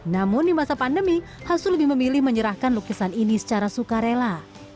namun di masa pandemi hasu lebih memilih menyerahkan lukisan ini secara sukarela